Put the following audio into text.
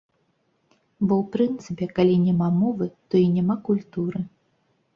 Бо ў прынцыпе калі няма мовы, то і няма культуры.